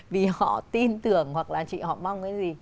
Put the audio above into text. vì họ tin tưởng hoặc là chị họ mong cái gì